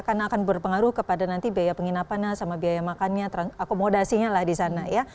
karena akan berpengaruh kepada nanti biaya penginapannya sama biaya makannya akomodasinya lah di sana ya